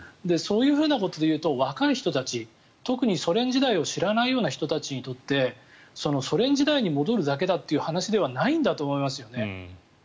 そういうことでいうと若い人たち特にソ連時代を知らないような人たちにとってソ連時代に戻るだけだという話ではないんだと思いますよね。